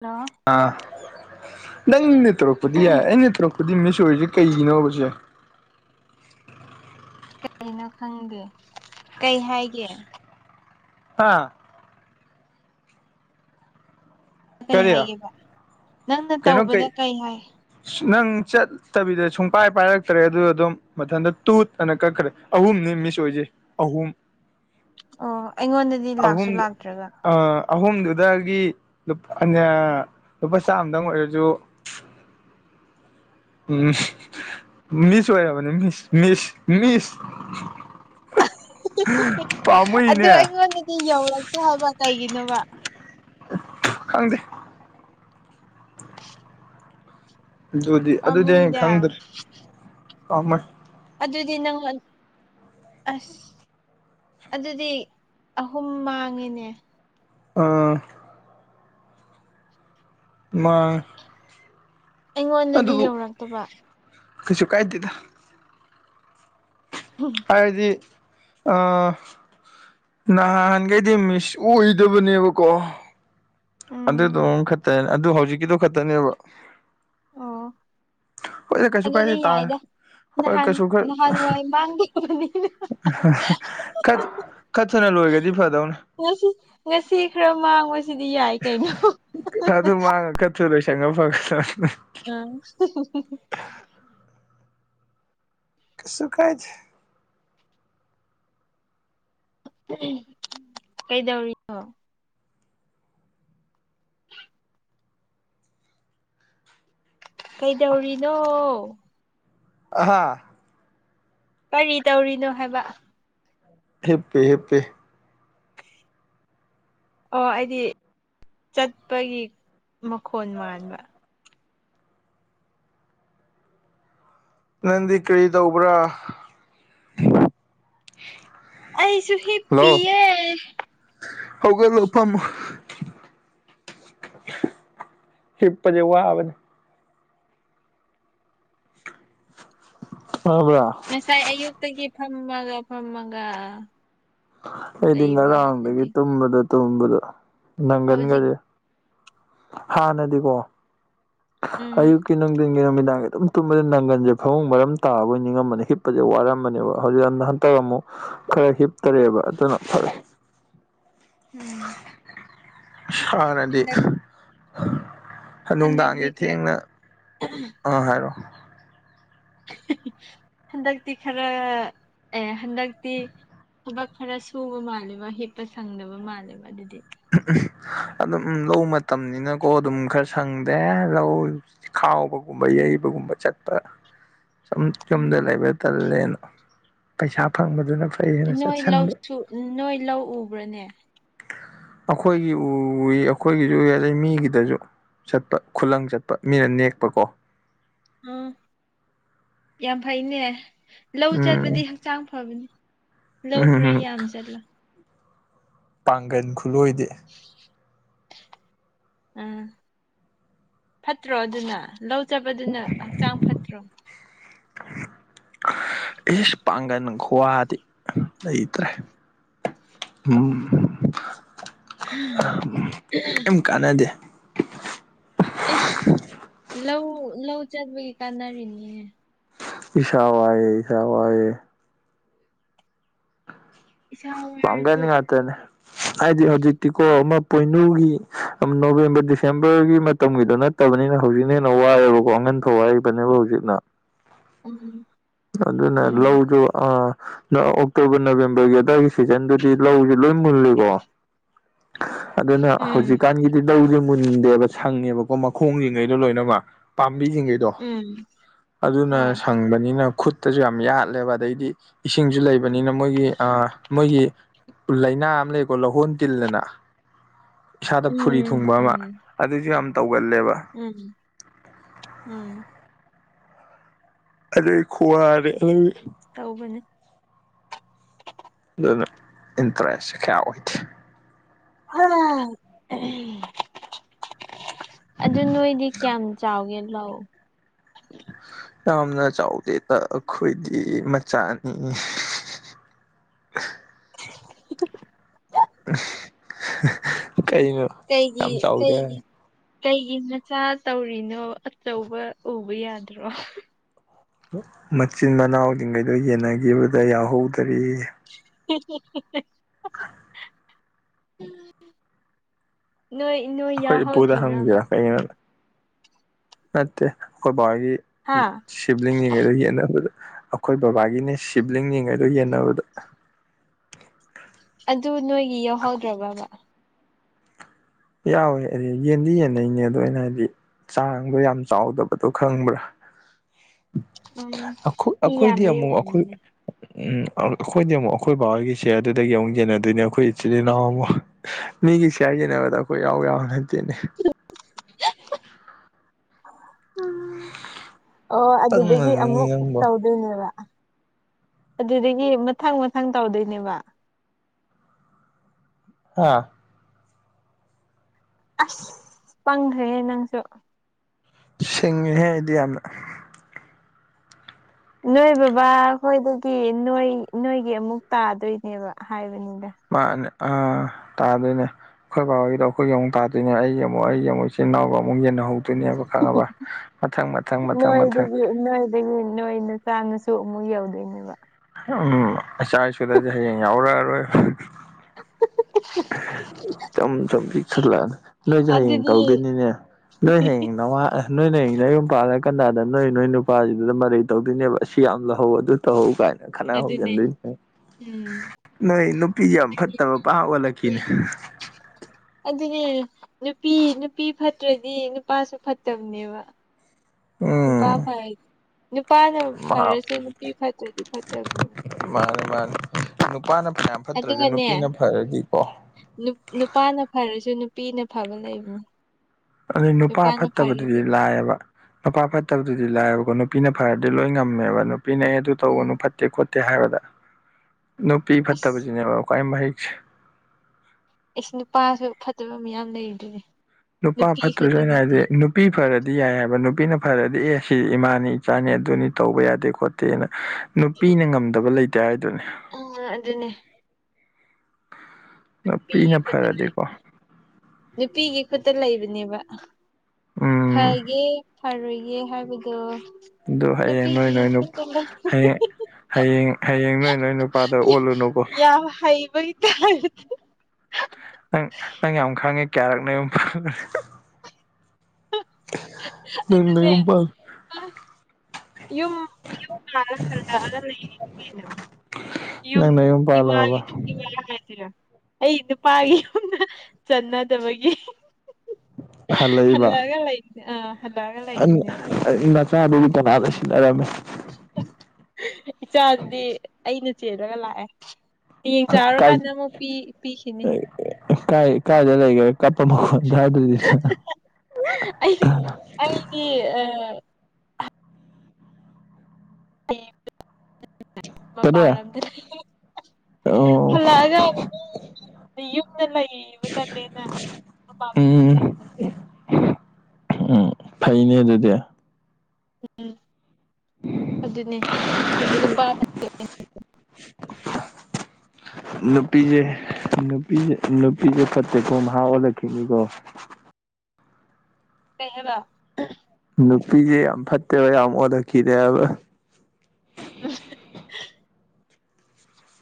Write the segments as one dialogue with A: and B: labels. A: ꯂꯣ
B: ꯑꯥ ꯅꯪꯅ ꯇꯧꯔꯛꯄꯗꯤ ꯌꯥꯏ ꯑꯩꯅ ꯇꯧꯔꯛꯄꯗꯤ ꯃꯤꯁ ꯑꯣꯏꯔꯤꯖꯦ ꯀꯩꯒꯤꯅꯣꯕꯖꯦ
A: ꯀꯩꯅꯣ ꯈꯪꯗꯦ ꯀꯩ ꯍꯥꯏꯒꯦ
B: ꯍꯥ
A: ꯀꯩ
B: ꯀꯔꯤ
A: ꯍꯥꯏꯒꯦꯕ ꯅꯪꯅ ꯇꯧꯕꯗ ꯀꯩ ꯍꯥꯏ
B: ꯏꯁ ꯅꯪ ꯆꯠ ꯇꯕꯤꯗ ꯁꯨꯡꯄꯥꯏ ꯄꯥꯏꯔꯛꯇ꯭ꯔꯦ ꯑꯗꯨ ꯑꯗꯨꯝ ꯃꯊꯟꯇ ꯇꯨꯠ ꯑꯅ ꯀꯛꯈ꯭ꯔꯦ ꯑꯍꯨꯝꯅꯦ ꯃꯤꯁ ꯑꯣꯏꯖꯦ ꯑꯍꯨꯝ
A: ꯑꯣ ꯑꯩꯉꯣꯟꯗꯗꯤ ꯂꯥꯛꯁꯨ ꯂꯥꯛꯇ꯭ꯔꯒ
B: ꯑ ꯑꯍꯨꯝꯗꯨꯗꯒꯤ ꯂꯨꯞ ꯑꯅ꯭ꯌꯥ ꯂꯨꯄꯥ ꯆꯥꯝꯗꯪ ꯑꯣꯏꯔꯖꯨ ꯎꯝ ꯃꯤꯁ ꯑꯣꯏꯔꯕꯅꯦ ꯃꯤꯁ ꯃꯤꯁ ꯃꯤꯁ ꯄꯥꯝꯃꯨꯏꯅꯦ
A: ꯁꯣꯟꯗꯗꯤ ꯌꯧꯔꯛ ꯇꯦ ꯍꯥꯏꯕ ꯀꯩꯒꯤꯅꯣꯕ
B: ꯈꯪꯗꯦ ꯑꯗꯨꯗꯤ ꯑꯗꯨꯗꯤ ꯑꯩꯅ
A: ꯄꯥꯝꯃꯨꯏꯗ
B: ꯈꯪꯗ꯭꯭ꯔꯦ [unintelligible]
A: ꯑꯗꯨꯗꯤ ꯅꯪꯉꯣꯟ ꯑꯁ ꯑꯗꯨꯗꯤ ꯑꯍꯨꯝ ꯃꯥꯡꯉꯦꯅꯦ
B: ꯑ ꯃꯥ
A: ꯑꯩꯉꯣꯟꯗꯗꯤ
B: ꯑꯗꯨꯕꯨ
A: ꯌꯧꯔꯛꯇꯕ
B: ꯀꯩꯁꯨ ꯀꯥꯏꯗꯦꯗ
A: [unintelligible]
B: ꯍꯥꯏꯗꯤ ꯑ ꯅꯍꯥꯟꯒꯩꯗꯤ ꯃꯤꯁ ꯑꯣꯏꯗꯕꯅꯦꯕꯀꯣ ꯑꯗꯨꯗꯣ
A: ꯎꯝ
B: ꯑꯝꯈꯠ ꯇꯅ ꯑꯗꯨ ꯍꯧꯖꯤꯛꯀꯤꯗꯨ ꯈꯛꯇꯅꯦꯕ
A: ꯑꯣ
B: ꯍꯣꯏꯗ ꯀꯩꯁꯨ
A: ꯑꯗꯨꯗꯤ
B: ꯀꯥꯏꯗꯦ ꯇꯥ
A: ꯌꯥꯏꯗ
B: ꯍꯣꯏ
A: ꯅꯍꯥꯟ
B: ꯀꯩꯁꯨ ꯈꯛ
A: ꯅꯍꯥꯟ ꯋꯥꯏ ꯃꯥꯡꯈꯤꯕꯅꯤꯅ
B: [unintelligible] ꯈꯛ ꯈꯔꯊꯨꯅ ꯂꯣꯏꯒꯔꯗꯤ ꯐꯗꯧꯅꯦ
A: ꯉꯁꯤ ꯉꯁꯤ ꯈꯔ ꯃꯥꯡꯕꯁꯤꯗꯤ ꯌꯥꯏ ꯀꯩꯅꯣ
B: ꯊꯨ ꯂꯣꯏꯁꯟꯒꯔ ꯐꯒꯗꯝꯅꯤ
A: ꯑꯪ [inaudible]
B: ꯀꯩꯁꯨ ꯀꯥꯏꯗꯦ
A: ꯀꯩꯗꯧꯔꯤ ꯀꯩꯗꯧꯔꯤꯅꯣ
B: ꯑꯍꯥꯥ
A: ꯀꯔꯤ ꯇꯧꯔꯤꯅꯣ ꯍꯥꯏꯕ
B: ꯍꯤꯞꯄꯤ ꯍꯤꯞꯄꯤ
A: ꯑꯣ ꯑꯩꯗꯤ ꯆꯠꯄꯒꯤ ꯃꯈꯣꯟ ꯃꯥꯟꯕ
B: ꯅꯪꯗꯤ ꯀꯔꯤ ꯇꯧꯕ꯭ꯔꯥ
A: ꯑꯩꯁꯨ
B: ꯍꯜꯂꯣ
A: ꯍꯤꯞꯄꯤꯌꯦ
B: ꯍꯧꯒꯠꯂꯣ ꯐꯝꯃꯣ ꯍꯤꯄꯖꯦ ꯋꯥꯕꯅꯦ ꯋꯥꯕ꯭ꯔ
A: ꯉꯁꯥꯏ ꯑꯌꯨꯛꯇꯒꯤ ꯐꯝꯃꯒ ꯐꯝꯃꯒ
B: ꯑꯩꯗꯤ
A: ꯂꯩꯕ
B: ꯉꯔꯥꯡꯗꯒꯤ
A: ꯑꯗꯨ
B: ꯇꯨꯝꯕꯗ ꯇꯨꯝꯕꯗ
A: ꯍꯧꯖꯤꯛ
B: ꯅꯪꯒꯟꯒꯁꯦ ꯍꯥꯟꯅꯗꯤꯀꯣ
A: ꯎꯝ
B: ꯑꯌꯨꯛꯀꯤ ꯅꯨꯡꯊꯤꯟꯒꯤ ꯅꯨꯃꯤꯗꯥꯡꯒꯤ ꯑꯗꯨꯝ ꯇꯨꯝꯕꯁꯦ ꯅꯪꯒꯟꯁꯦ ꯐꯃꯨꯡ ꯃꯔꯝ ꯇꯥꯕꯣꯏ ꯅꯤꯡꯉꯝꯕꯅꯦ ꯍꯤꯞꯄꯁꯦ ꯋꯥꯔꯝꯕꯅꯦꯕ ꯍꯧꯖꯤꯛꯅ ꯍꯟꯇꯛ ꯑꯃꯨꯛ ꯈꯔ ꯍꯤꯞꯇꯔꯦꯕ ꯑꯗꯨꯅ ꯐꯔꯦ
A: ꯎꯝ
B: ꯍꯥꯟꯅꯗꯤ
A: ꯍꯟꯗꯛ ꯍꯟꯗꯛꯇꯤ
B: ꯅꯨꯡꯗꯥꯡꯁꯦ
A: ꯈꯔ
B: ꯊꯦꯡꯅ ꯑꯥ ꯍꯥꯏꯔꯣ
A: ꯍꯟꯗꯛꯇꯤ ꯈꯔ ꯑꯦ ꯍꯟꯗꯛꯇꯤ ꯊꯕꯛ ꯈꯔ ꯁꯨꯕ ꯃꯥꯜꯂꯦꯕ ꯍꯤꯞꯄ ꯁꯪꯗꯕ ꯃꯥꯜꯂꯦꯕ ꯑꯗꯨꯗꯤ
B: ꯑꯗꯨꯝ ꯂꯧ ꯃꯇꯝꯅꯤꯅꯀꯣ ꯑꯗꯨꯝ ꯈꯔ ꯁꯪꯗꯦ ꯂꯧ ꯈꯥꯎꯕꯒꯨꯝꯕ ꯌꯩꯕꯒꯨꯝꯕ ꯆꯥꯠꯄ ꯁꯨꯝ
A: ꯎꯝ
B: ꯌꯨꯝꯗ ꯂꯩꯕ ꯇꯜꯂꯦꯅ ꯄꯩꯁꯥ ꯐꯪꯕꯗꯨꯅ ꯐꯩꯌꯦꯅ ꯆꯠꯁꯟꯕ
A: ꯎꯝ ꯅꯣꯏ ꯂꯧ ꯎꯕ꯭ꯔꯅꯦ
B: ꯑꯩꯈꯣꯏꯒꯤ ꯎꯏ ꯑꯩꯈꯣꯏꯒꯤꯖꯨ ꯎꯏ ꯑꯗꯩ ꯃꯤꯒꯤꯗꯖꯨ ꯆꯠꯄ ꯈꯨꯂꯪ ꯆꯠꯄ ꯃꯤꯅ ꯅꯦꯛꯄꯀꯣ
A: ꯑꯥ ꯌꯥꯝ ꯐꯩꯅꯦ ꯂꯧ
B: ꯎꯝ
A: ꯆꯠꯂꯗꯤ ꯍꯛꯆꯥꯡ ꯐꯕꯅꯤ ꯂꯧ ꯈꯔ
B: ꯎꯝ
A: ꯌꯥꯝ ꯆꯠꯂꯣ
B: ꯄꯥꯡꯒꯟ ꯈꯨꯂꯣꯏꯗꯤ
A: ꯑꯥ ꯐꯠꯇ꯭ꯔꯣ ꯑꯗꯨꯅ ꯂꯧ ꯆꯠꯄꯗꯨꯅ ꯍꯛꯆꯥꯡ ꯐꯠꯇ꯭ꯔꯣ
B: ꯏꯁ ꯄꯥꯡꯒꯟ ꯈꯨꯋꯥꯗꯤ ꯂꯩꯇ꯭ꯔꯦ ꯑꯝ ꯀꯩꯝ ꯀꯥꯅꯗꯦ
A: ꯏꯁ ꯂꯧ ꯂꯧ ꯆꯥꯠꯄꯒꯤ ꯀꯥꯟꯅꯔꯤꯅꯤꯅꯦ
B: ꯏꯁꯥ ꯋꯥꯏꯌꯦ ꯏꯁꯥ ꯋꯥꯏꯌꯦ
A: ꯏꯁꯥ
B: ꯄꯪꯒꯟ
A: ꯋꯥꯔꯁꯨ
B: ꯉꯥꯇꯅꯦ ꯍꯥꯏꯗꯤ ꯍꯧꯖꯤꯛꯇꯤꯀꯣ ꯑꯃ ꯄꯣꯏꯅꯨꯒꯤ ꯅꯣꯕꯦꯝꯕꯔ ꯗꯤꯁꯦꯝꯕꯔꯒꯤ ꯃꯇꯝꯒꯤꯗꯣ ꯅꯠ ꯇꯕꯅꯤꯅ ꯍꯧꯖꯤꯛꯅ ꯍꯦꯟꯅ ꯋꯥꯏꯑꯦꯕꯀꯣ ꯑꯉꯟ ꯐꯧ ꯋꯥꯏꯔꯤꯕꯅꯦꯕ ꯍꯧꯖꯤꯛꯅ
A: ꯎꯝ
B: ꯑꯗꯨꯅ
A: ꯎꯝ
B: ꯂꯧꯗꯣ ꯑꯥ ꯑꯣꯛꯇꯣꯕꯔ ꯅꯕꯦꯝꯕꯔꯒꯤ ꯑꯗꯥꯏꯒꯤ ꯁꯤꯖꯟꯗꯗꯤ ꯂꯧꯖꯦ ꯂꯣꯏ ꯃꯨꯜꯂꯤꯀꯣ ꯑꯗꯨꯅ
A: ꯎꯝ
B: ꯍꯧꯖꯤꯛꯀꯥꯟꯒꯤꯗꯤ ꯂꯧꯖꯦ ꯃꯨꯟꯗꯦꯕ ꯁꯪꯉꯦꯕꯀꯣ ꯃꯈꯣꯡꯖꯤꯡꯉꯩꯗꯣ ꯂꯣꯏꯅꯃꯛ ꯄꯥꯝꯕꯤꯖꯤꯡꯒꯩꯗꯣ
A: ꯎꯝ
B: ꯑꯗꯨꯅ
A: ꯍꯣꯏ
B: ꯁꯪꯕꯅꯤꯅ ꯈꯨꯠꯇꯖꯨ ꯌꯥꯝ ꯌꯥꯠꯂꯦꯕ ꯑꯗꯩꯗꯤ ꯏꯁꯤꯡꯖꯨ ꯂꯩꯕꯅꯤꯅ ꯃꯣꯏꯒꯤ ꯑꯥ ꯃꯣꯏꯒꯤ ꯂꯩꯅꯥ ꯑꯃ ꯂꯩꯀꯣ ꯂꯧꯍꯣꯟ ꯇꯤꯜ ꯑꯅ ꯏꯁꯥꯗ ꯐꯨꯔꯤ
A: ꯎꯝ
B: ꯊꯨꯡꯕ ꯑꯃ
A: ꯎꯝ
B: ꯑꯗꯨꯖꯨ ꯌꯥꯝ ꯇꯧꯒꯜꯂꯦꯕ
A: ꯎꯝ ꯎꯝ
B: ꯑꯗꯨꯏ ꯈꯨꯋꯥꯗꯤ ꯑꯗꯨꯒꯤ
A: ꯇꯧꯕꯅꯦ
B: ꯑꯗꯨꯅ ꯏꯟꯇ꯭ꯔꯦꯁ ꯀꯌꯥ ꯑꯣꯏꯗꯦ
A: ꯍꯥ ꯑꯍꯝ ꯑꯗꯨ ꯅꯣꯏꯗꯤ ꯀꯌꯥꯝ ꯆꯥꯎꯒꯦ ꯂꯧ
B: ꯌꯥꯝꯅ ꯆꯥꯎꯗꯦꯗ ꯑꯩꯈꯣꯏꯗꯤ ꯃꯆꯥꯅꯤ
A: [unintelligible]
B: [unintelligible] ꯀꯩꯅꯣ
A: ꯀꯩꯒꯤ
B: ꯌꯥꯝ ꯆꯥꯎꯗꯦ
A: ꯀꯩꯒꯤ
B: ꯍꯥꯏ
A: ꯀꯩꯒꯤ ꯃꯆꯥ ꯇꯧꯔꯤꯅꯣꯕ ꯑꯆꯧꯕ ꯎꯕ ꯌꯥꯗ꯭ꯔꯣ
B: ꯃꯆꯤꯟ ꯃꯅꯥꯎꯖꯤꯡꯒꯩꯗꯣ ꯌꯦꯟꯅꯒꯤꯕꯗ ꯌꯥꯎꯍꯧꯗ꯭ꯔꯦ
A: [unintelligible] ꯅꯣꯏ ꯅꯣꯏ
B: ꯑꯩꯈꯣꯏ ꯏꯄꯨꯗ
A: ꯌꯥꯎꯍꯧꯗꯤꯅꯕ
B: ꯍꯪꯁꯤꯔꯥ ꯀꯩꯅꯣ ꯅꯠꯇꯦ ꯑꯈꯣꯏ ꯕꯕꯥꯍꯣꯏꯒꯤ
A: ꯍꯥ
B: ꯁꯤꯕ꯭ꯂꯤꯡ ꯖꯤꯡꯉꯩꯗꯣ ꯌꯦꯟꯅꯕꯗ ꯑꯩꯈꯣꯏ ꯕꯕꯥꯒꯤꯅꯦ ꯁꯤꯕ꯭ꯂꯤꯡ ꯖꯤꯡꯉꯩꯗꯣ ꯌꯦꯟꯅꯕꯗ
A: ꯑꯗꯨ ꯅꯣꯏꯒꯤ ꯌꯥꯎꯍꯧꯗ꯭ꯔꯕꯥꯕ
B: ꯌꯥꯎꯋꯦ ꯑꯩ ꯌꯦꯟꯗꯤ ꯌꯦꯟꯅꯩꯅꯦ ꯑꯗꯣ ꯑꯩꯅ ꯍꯥꯏꯗꯤ ꯆꯥꯡꯗꯣ ꯌꯥꯝ ꯆꯥꯎꯗꯕꯗꯣ ꯈꯪꯕ꯭ꯔꯥ
A: ꯎꯝ
B: ꯑꯈꯣꯏ
A: ꯃꯤ
B: ꯑꯈꯣꯏꯗꯤ
A: ꯌꯥꯝꯕꯩ
B: ꯑꯃꯨꯛ ꯑꯈꯣꯏ
A: ꯑꯣꯏꯔꯝꯅꯤꯅꯦ
B: ꯎꯝ ꯑꯈꯣꯏꯗꯤ ꯑꯃꯨꯛ ꯑꯈꯣꯏ ꯕꯥꯑꯣꯏꯒꯤ ꯁꯤꯌꯥꯔ ꯗꯨꯗꯒꯤ ꯑꯃꯨꯛ ꯌꯦꯟꯅꯗꯣꯏꯅꯦ ꯑꯈꯣꯏ ꯏꯆꯤꯜ ꯏꯅꯥꯎ ꯑꯃ ꯃꯤꯒꯤ ꯁꯤꯌꯥꯔ ꯌꯦꯟꯅꯕꯗ ꯑꯩꯈꯣꯏ ꯌꯥꯎ ꯌꯥꯕ ꯅꯠꯇꯦꯅꯦ
A: ꯑꯣ ꯑꯗꯨꯗꯒꯤ
B: ꯄꯪꯅꯅꯤ
A: ꯑꯃꯨꯛ
B: ꯅꯪꯕꯣ
A: ꯇꯧ ꯗꯨꯅꯦꯕ ꯑꯗꯨꯗꯒꯤ ꯃꯊꯪ ꯃꯊꯪ ꯇꯧꯗꯣꯏꯅꯦꯕ
B: ꯍꯥꯥ
A: ꯑꯁ ꯄꯪꯒ꯭ꯔꯦꯍꯦ ꯅꯪꯁꯨ
B: ꯁꯤꯡꯉꯤꯍꯦ ꯑꯩꯗꯤ ꯌꯥꯝꯅ
A: ꯅꯣꯏ ꯕꯕꯥ ꯍꯣꯏꯗꯒꯤ ꯅꯣꯏ ꯅꯣꯏꯒꯤ ꯑꯃꯨꯛ ꯇꯥꯗꯣꯏꯅꯦꯕ ꯍꯥꯏꯕꯅꯤꯗ
B: ꯃꯥꯅꯦ ꯑꯥ ꯇꯗꯣꯅꯦ ꯑꯩꯈꯣꯏ ꯕꯥꯍꯣꯏꯒꯤꯗꯣ ꯑꯩꯈꯣꯏꯒꯤ ꯑꯃꯨꯛ ꯇꯥꯗꯣꯏꯅꯦ ꯑꯩꯒꯤ ꯑꯃꯨꯛ ꯑꯩꯒꯤ ꯑꯃꯨꯛ ꯏꯆꯤꯟ ꯏꯅꯥꯎꯒ ꯑꯃꯨꯛ ꯌꯦꯟꯅꯍꯧ ꯑꯗꯨꯅꯦꯕ ꯈꯪꯉꯕ ꯃꯊꯪ ꯃꯊꯪ ꯃꯊꯪ ꯃꯊꯪ
A: ꯑꯗꯒꯤ ꯅꯣꯏ ꯅꯆꯥ ꯅꯁꯨ ꯑꯃꯨꯛ ꯌꯧꯗꯣꯏꯅꯦꯕ
B: ꯎꯝ ꯏꯆꯥꯏꯁꯨꯗꯗꯤ ꯍꯌꯦꯡ ꯌꯥꯎꯔꯛꯑꯔꯣꯏ ꯆꯨꯝ ꯆꯨꯝ ꯄꯥꯛꯁꯤꯜꯂꯛꯑꯅꯤ ꯅꯣꯏꯖꯨ ꯍꯌꯦꯡ
A: ꯑꯗꯨꯗꯤ
B: ꯇꯧꯗꯣꯏꯅꯤꯅꯦ ꯅꯣꯏ ꯍꯌꯦꯡ ꯅꯋꯥ ꯑꯥ ꯅꯣꯏ ꯍꯌꯦꯡ ꯅꯌꯨꯝ ꯄꯥꯜꯂꯀꯥꯟꯗꯥꯗ ꯅꯣꯏ ꯅꯣꯏ ꯅꯨꯄꯥꯖꯤꯗꯨꯗ ꯃꯔꯩ ꯇꯧꯗꯣꯏꯅꯦꯕ ꯁꯤ ꯌꯥꯝ ꯂꯧꯍꯧ ꯑꯗꯨ ꯇꯧ ꯀꯥꯏꯅ
A: ꯑꯗꯨꯅꯦ
B: ꯈꯠꯅꯍꯧꯖꯤꯟꯗꯣꯏꯅꯦ
A: ꯎꯝ
B: ꯅꯣꯏ ꯅꯨꯄꯤ ꯌꯥꯝ ꯐꯠꯇꯕ ꯄꯥꯋꯥꯂꯛ ꯀꯤꯅꯦ
A: [inaudible] ꯑꯗꯨꯅꯦ ꯅꯨꯄꯤ ꯅꯨꯄꯤ ꯐꯠꯇ꯭ꯔꯗꯤ ꯅꯨꯄꯥꯁꯨ ꯐꯠꯇꯕꯅꯦꯕ ꯅꯨꯄꯥ
B: ꯎꯝ
A: ꯐꯔ ꯅꯨꯄꯥꯅ ꯐꯔꯁꯨ ꯅꯨꯄꯤ ꯐꯠꯇ꯭ꯔꯗꯤ ꯐꯠꯇꯕꯅꯤ
B: ꯃꯥꯅꯤ ꯃꯥꯅꯤ ꯅꯨꯄꯥꯅ ꯐꯅꯤꯌꯥꯝ ꯐꯠꯇ꯭ꯔꯖꯨ ꯅꯨꯄꯤꯅ ꯐꯔꯗꯤꯀꯣ
A: ꯅꯨꯞ ꯅꯨꯄꯥꯅ ꯐꯔꯖꯨ ꯅꯨꯄꯤꯅ ꯐꯕ ꯂꯩꯕꯅꯤ
B: ꯑꯗꯩ ꯅꯨꯄꯥ
A: ꯅꯨꯄꯥꯅ
B: ꯐꯠꯇꯕꯗꯨꯗꯤ
A: ꯐꯔꯗꯤ
B: ꯂꯥꯏꯌꯦꯕ ꯅꯨꯄꯥ ꯐꯠꯇꯕꯗꯨꯗꯤ ꯂꯥꯏꯌꯦꯕꯀꯣ ꯅꯨꯄꯤꯅ ꯐꯔꯗꯤ ꯂꯣꯏ ꯉꯝꯃꯦꯕ ꯅꯨꯄꯤꯅ ꯑꯦ ꯑꯗꯨ ꯇꯧꯒꯅꯨ
A: ꯎꯝ
B: ꯐꯠꯇꯦ ꯈꯣꯠ ꯇꯦ ꯍꯥꯏꯕꯗ ꯅꯨꯄꯤ
A: ꯑꯁ
B: ꯐꯠꯇꯕꯖꯤꯅꯦꯕ ꯈ꯭ꯋꯥꯏ ꯃꯍꯤꯛꯁꯦ
A: ꯏꯁ ꯅꯨꯄꯥꯁꯨ ꯐꯠꯇꯕ ꯃꯌꯥꯝ ꯂꯩꯔꯤꯗꯨꯅꯤ
B: ꯅꯨꯄꯥ ꯐꯠꯇ꯭ꯔꯖꯨ ꯑꯩꯅ ꯍꯥꯏꯗꯤ ꯅꯨ ꯄꯤ ꯐꯔꯗꯤ ꯌꯥꯏ ꯍꯥꯏꯕ ꯅꯨꯄꯤꯅ ꯐꯔꯗꯤ ꯑꯦ ꯁꯤ ꯏꯃꯥꯅꯤ ꯏꯆꯥꯅꯤ ꯑꯗꯨꯅꯤ ꯇꯧꯕ ꯌꯥꯗꯦ ꯈꯣꯠꯇ ꯇꯦꯅ ꯅꯨꯄꯤꯅ ꯉꯝꯗꯕ ꯂꯩꯇꯦ ꯍꯥꯏꯗꯨꯅꯤ
A: ꯎꯝ ꯑꯗꯨꯅꯦ ꯅꯨꯄꯤꯒꯤ
B: ꯅꯥꯄꯤꯅ
A: ꯈꯨꯠꯇ
B: ꯐꯔꯗꯤꯀꯣ
A: ꯅꯨꯄꯤꯒꯤ ꯈꯨꯠꯇ ꯂꯩꯕꯅꯦꯕ
B: ꯎꯝ
A: ꯐꯒꯦ ꯐꯔꯣꯏꯒꯦ ꯍꯥꯏꯕꯗꯣ
B: ꯑꯗꯨ ꯍꯌꯦꯡ ꯅꯣꯏ
A: ꯅꯨꯄꯤꯒꯤ
B: ꯅꯣꯏ ꯅꯨꯞ
A: ꯈꯨꯠꯇ ꯂꯩ
B: ꯍꯌꯦꯡ ꯍꯌꯦꯡ ꯍꯌꯦꯡ ꯅꯣꯏ ꯅꯣꯏ ꯅꯨꯄꯥꯗ ꯑꯣꯠꯂꯨꯅꯨꯀꯣ
A: ꯌꯥꯝ ꯍꯩꯕꯩ [unintelligible]
B: ꯅꯪ ꯅꯪ ꯌꯥꯝ ꯈꯪꯉꯦ ꯀꯌꯥꯔꯛ ꯅꯌꯨꯝ [unintelligible] ꯅꯪ ꯅꯌꯨꯝ ꯄꯥꯟ
A: ꯌꯨꯝ ꯌꯨꯝ ꯄꯜꯂ ꯍꯜꯂꯛꯑꯒ ꯂꯩꯔꯤꯅꯤ ꯀꯩꯅꯣ ꯌꯨꯝ
B: ꯅꯪ ꯅꯌꯨꯝ ꯄꯥꯜꯂꯨꯔꯕ
A: ꯏꯋꯥꯒꯤ [unintelligible] ꯑꯩ ꯅꯨꯄꯥꯒꯤ ꯌꯨꯝꯗ ꯆꯟꯅꯗꯕꯒꯤ
B: ꯍꯜꯂꯛꯏꯕ
A: ꯍꯜꯂꯛꯑꯒ ꯂꯩꯕꯅꯦ ꯑ ꯍꯜꯂꯛꯑꯒ ꯂꯩꯔꯤꯅꯦꯕ
B: ꯅꯆꯥꯗꯨꯗꯤ ꯀꯅꯥꯗ ꯁꯤꯟꯅꯔꯝꯃꯦ
A: ꯏꯆꯥꯗꯨꯗꯤ ꯑꯩꯅ ꯆꯦꯜꯂꯒ ꯂꯥꯛꯑꯦ ꯍꯌꯦꯡ
B: ꯀꯥꯏ
A: ꯆꯥꯎꯔꯀꯥꯟꯗ ꯑꯃꯨꯛ ꯄꯤ ꯄꯤꯈꯤꯅꯤ
B: ꯀꯥꯏ ꯀꯥꯏꯗ ꯂꯩꯒ꯭ꯔꯦ ꯀꯥꯞꯄ ꯃꯈꯣꯟ ꯇꯥꯗ꯭ꯔꯤꯖꯤꯅ
A: ꯑꯩ
B: [unintelligible]
A: ꯑꯩꯒꯤ ꯑ [unintelligible]
B: ꯀꯔꯤ
A: ꯃꯄꯥꯥꯜ ꯂꯝꯗ ꯂꯩ
B: ꯑꯣ
A: ꯍꯜꯂꯑꯒ [unintelligible] ꯗ ꯌꯨꯝꯗ ꯂꯩꯕ ꯇꯜꯂꯦꯅ
B: ꯎꯝ
A: [unintelligible]
B: ꯎꯝ ꯐꯩꯅꯦ ꯑꯗꯨꯗꯤ
A: ꯎꯝ ꯑꯗꯨꯅꯦ ꯅꯨꯄꯥ [unintelligible] [inaudible]
B: ꯅꯨꯄꯤꯖꯦ ꯅꯨꯄꯤꯖꯦ ꯅꯨꯄꯤꯖꯦ ꯐꯠꯇꯦꯀꯣ ꯃꯍꯥ ꯑꯣꯜꯂꯛꯈꯤꯅꯤꯀꯣ
A: ꯀꯩ ꯍꯥꯏꯕ
B: ꯅꯨꯄꯤꯖꯦ ꯌꯥꯝ ꯐꯠꯇꯦꯕ ꯌꯥꯝ ꯑꯣꯜꯂꯛꯈꯤꯅꯦ ꯍꯥꯢꯕ
A: [unintelligible]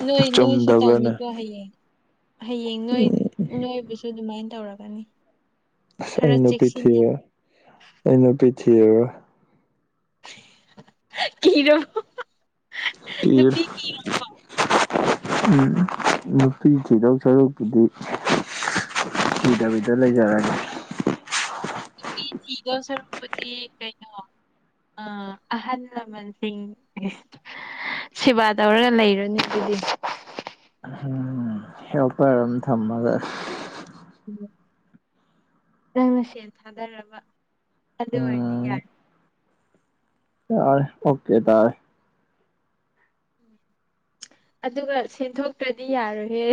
A: ꯅꯣꯏ ꯅꯣꯏꯁꯨ
B: ꯆꯨꯝꯗꯕ꯭ꯔꯅꯦ
A: ꯇꯧꯅꯤꯀꯣ ꯍꯌꯦꯡ ꯍꯌꯦꯡ ꯅꯣꯏ ꯅꯣꯏꯕꯁꯨ ꯑꯗꯨꯃꯥꯏꯟ ꯇꯧꯔꯛꯀꯅꯤ
B: ꯑꯁ
A: ꯈꯔ
B: ꯑꯩ ꯅꯨꯄꯤ ꯊꯤ
A: ꯆꯦꯛꯁꯤꯟꯅ
B: ꯑꯩ ꯅꯨꯄꯤ ꯊꯤꯔꯔꯣꯏ
A: ꯀꯤꯔꯣ
B: ꯀꯤꯔꯦ ꯎꯝ ꯅꯨꯄꯤ ꯊꯤꯗꯧ ꯁꯔꯨꯛꯄꯨꯗꯤ ꯊꯤꯗꯕꯤꯗ ꯂꯩꯖꯔꯒꯦ
A: ꯅꯨꯄꯤ ꯊꯤꯗꯧ ꯁꯔꯨꯛꯄꯨꯗꯤ ꯀꯩꯅꯣ ꯑ ꯑꯍꯟ ꯂꯃꯟ ꯁꯤꯡ [unintelligible] ꯁꯦꯕꯥ ꯇꯧꯔꯒ ꯂꯩꯔꯨꯅꯤ ꯑꯗꯨꯗꯤ
B: ꯍꯝ ꯍꯦꯜꯄꯔ ꯑꯝ ꯊꯝꯃꯒ
A: ꯎꯝ ꯅꯪꯅ ꯁꯦꯟ ꯊꯥꯗꯔꯕ ꯑꯗꯨ ꯑꯣꯏꯔꯗꯤ
B: ꯎꯝ
A: ꯌꯥꯢ
B: ꯌꯥꯔꯦ ꯑꯣꯀꯦ ꯇꯥꯔꯦ
A: ꯑꯗꯨꯒ ꯁꯦꯟ ꯊꯣꯛꯇ꯭ꯔꯗꯤ ꯌꯥꯔꯣꯏꯍꯦ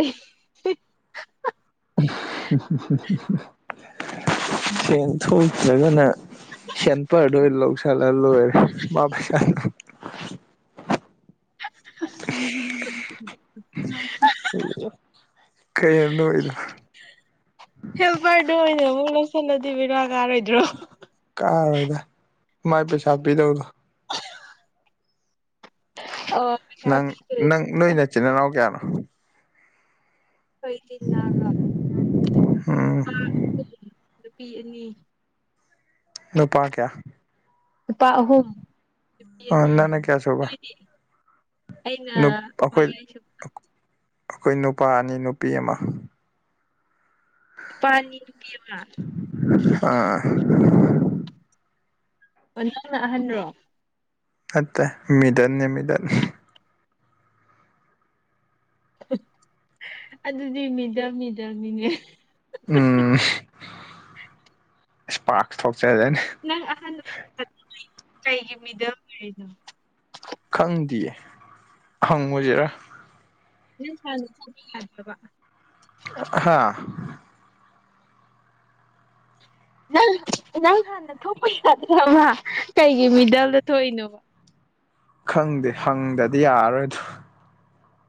B: [inaudible] ꯁꯦꯟ ꯊꯣꯛꯇ꯭ꯔꯒꯅ ꯁꯦꯟꯄ꯭ꯔꯗꯣ ꯑꯣꯏ ꯂꯧꯁꯤ ꯆꯠꯂꯥ ꯂꯣꯏꯔꯦ ꯃꯥ ꯄꯩꯁꯥ ꯌꯥꯝꯅ
A: ꯎꯝ
B: ꯀꯩꯅꯣ ꯅꯣꯛ ꯏꯗꯣ
A: ꯍꯦꯜꯄꯔꯗꯣ ꯑꯣꯏꯅ ꯑꯃꯨꯛ ꯂꯧꯁꯤꯜꯂꯗꯤ ꯕꯤꯔꯥ ꯀꯥꯔꯣꯏꯗ꯭ꯔꯣ
B: ꯀꯥꯔꯣꯏꯗ ꯃꯥꯏ ꯄꯩꯁꯥ ꯄꯤꯗꯧꯗꯣ
A: [inaudible] ꯑꯣ ꯄꯩꯁꯥ
B: ꯅꯪ
A: ꯄꯤꯗ꯭ꯔꯁꯨ
B: ꯅꯪ ꯅꯣꯏ ꯅꯆꯤꯟ ꯏꯅꯥꯎ ꯀꯌꯥꯅꯣ
A: ꯑꯩꯈꯣꯏ ꯏꯆꯤꯟ ꯏꯅꯥꯎꯔꯣ ꯅꯨꯄꯥ
B: ꯎꯝ
A: ꯑꯍꯨꯝ ꯅꯨꯄꯤ ꯑꯅꯤ
B: ꯅꯨꯄꯥꯥ ꯀꯌꯥ
A: ꯂꯨꯄꯥ ꯑꯍꯨꯝ ꯅꯨꯄꯤ
B: ꯑ
A: ꯑꯅꯤ
B: ꯅꯪꯅ ꯀꯌꯥ ꯁꯨꯕ
A: ꯑꯩꯅ
B: ꯅꯨꯞ ꯑꯩꯈꯣꯏ
A: ꯃꯔꯤ ꯁꯨꯕ
B: ꯑꯩꯈꯣꯏ ꯅꯨꯄꯥ ꯑꯅꯤ ꯅꯨꯄꯤ ꯑꯃ
A: ꯅꯨꯄꯥ ꯑꯅꯤ ꯅꯨꯄꯤ ꯑꯃ
B: ꯑꯥ
A: ꯑꯣ ꯅꯪꯅ ꯑꯍꯟꯔꯣ
B: ꯑꯠꯇꯦ ꯃꯤꯗꯟꯅꯦ ꯃꯤꯗꯟ
A: ꯑꯗꯨꯗꯤ ꯃꯤꯗꯝ ꯃꯤꯗꯝꯅꯤꯅꯦ
B: ꯎꯝ ꯏꯁꯄꯥꯔꯁ ꯊꯣꯛꯆꯖꯅꯤ
A: ꯅꯪ ꯑꯍꯥꯟꯕ [unintelligible] ꯀꯩꯒꯤ ꯃꯤꯗꯟ ꯑꯣꯏꯔꯤꯅꯣ
B: ꯈꯪꯗꯤꯌꯦ ꯍꯪꯉꯨꯖꯤꯔꯥ
A: ꯅꯪ ꯍꯟꯅꯥ ꯊꯣꯛꯄꯗꯤ ꯌꯥꯗꯕ
B: ꯍꯥꯥ
A: ꯅꯪ ꯅꯪ ꯍꯥꯟꯅ ꯊꯣꯛꯄ ꯌꯥꯗ꯭ꯔꯕ ꯀꯩꯒꯤ ꯃꯤꯗꯜꯗ ꯊꯣꯛꯏꯅꯣ
B: ꯈꯪꯗꯦ ꯍꯪꯗꯗꯤ ꯌꯥꯔꯣꯏꯗꯣ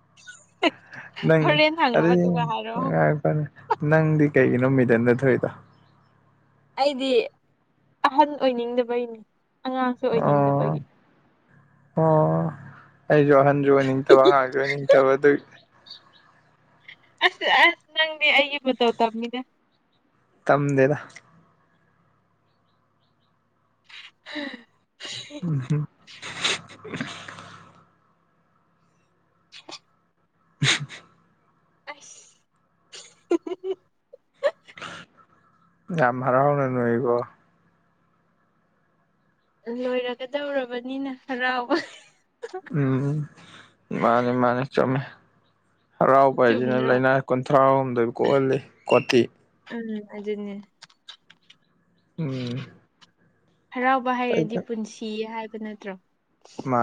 A: [inaudible]
B: ꯅꯪ
A: ꯍꯣꯔꯦꯟ ꯍꯪꯉꯣ
B: ꯑꯗꯨ
A: ꯑꯗꯨꯒ ꯍꯥꯏꯔꯛꯑꯣ
B: ꯉꯏꯈꯣꯅꯦ ꯅꯪꯗꯤ ꯀꯩꯒꯤꯅꯣ ꯃꯤꯗꯟ ꯗ ꯊꯣꯛ ꯏꯗꯣ
A: ꯑꯩꯗꯤ ꯑꯍꯟ ꯑꯣꯏꯅꯤꯡꯗꯕꯩꯅꯤ ꯑꯉꯥꯡꯁꯨ
B: ꯑꯣ
A: ꯑꯣꯏꯅꯤꯡꯗꯕꯒꯤ
B: ꯑꯣ ꯑꯩꯖꯨ ꯑꯍꯟꯖꯨ ꯑꯣꯏꯅꯤꯡꯇꯥꯕ ꯑꯉꯥꯡꯖꯨ ꯑꯣꯏꯅꯤꯡꯇꯥꯕ ꯑꯗꯨꯏꯅꯤ
A: ꯑꯁ ꯑꯁ ꯅꯪꯗꯤ ꯑꯩꯒꯤ ꯃꯇꯧ ꯇꯝꯃꯤꯗ
B: ꯇꯝꯗꯦꯗ
A: ꯍꯥ
B: ꯎꯝ [inaudible]
A: ꯑꯁ ꯍꯤ ꯍꯝ ꯍꯝ ꯍꯝ
B: ꯌꯥꯝ ꯍꯔꯥꯎꯅ ꯅꯣꯛ ꯏꯀꯣ
A: ꯂꯣꯏꯔꯒꯗꯧꯔꯕꯅꯤꯅ ꯍꯔꯥꯎꯕ
B: ꯎꯝ ꯎꯝ ꯃꯥꯅꯤ ꯃꯥꯅꯤ ꯆꯨꯝꯃꯦ ꯍꯔꯥꯎꯕ ꯍꯥꯏꯖꯤꯅ
A: ꯆꯨꯝꯗ꯭ꯔꯣ
B: ꯂꯩꯅꯥ ꯀꯨꯟꯊ꯭ꯔꯥꯍꯨꯝꯗꯣꯏ ꯀꯣꯛꯍꯜꯂꯤ ꯀꯣꯇꯤ
A: ꯎꯝ ꯑꯗꯨꯅꯦ
B: ꯎꯝ
A: ꯍꯔꯥꯎꯕ ꯍꯩꯔꯗꯤ ꯄꯨꯟꯁꯤ ꯍꯥꯏꯕ ꯅꯠꯇ꯭ꯔꯣ
B: ꯃꯥ